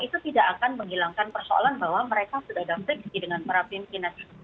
itu tidak akan menghilangkan persoalan bahwa mereka sudah dapet di dalam para pimpinan